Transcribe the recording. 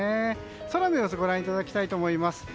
空の様子ご覧いただきたいと思います。